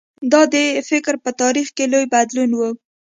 دا د فکر په تاریخ کې لوی بدلون و.